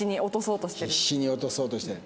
必死に落とそうとしてる。